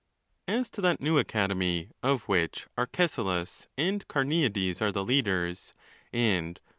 <As to that new academy, of which Arcesilas and Carneades are the leaders, rand who.